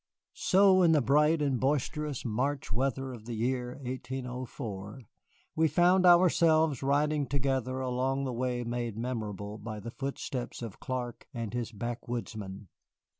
So, in the bright and boisterous March weather of the year 1804, we found ourselves riding together along the way made memorable by the footsteps of Clark and his backwoodsmen.